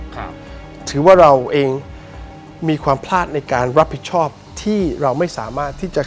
ครับถือว่าเราเองมีความพลาดในการรับผิดชอบที่เราไม่สามารถที่จะ